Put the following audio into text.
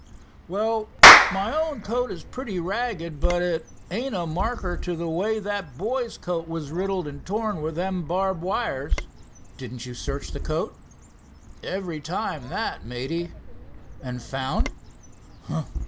"Well, my own coat is pretty ragged but it ain't a marker to the way that boy's coat was riddled and torn by them barb wires." "Didn't you search the coat?" "Every time that, matey." "And found